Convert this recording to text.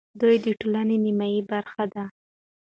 دوی د ټولنې نیمه برخه ده.